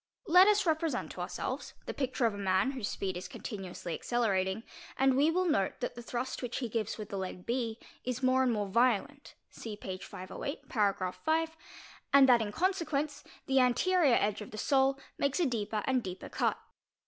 Let us represent ourselves the picture of a man whose speed is continuously acceleratil and we will note that the thrust which he gives with the leg B is m and more violent (see page 508, para. 5), and that in consequence ¢ anterior edge of the sole makes a deeper and deeper cut.